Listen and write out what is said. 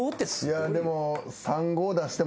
いやでも。